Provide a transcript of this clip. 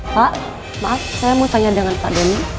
pak maaf saya mau tanya dengan pak denny